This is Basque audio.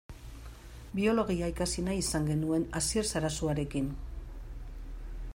Biologia ikasi nahi izan genuen Asier Sarasuarekin.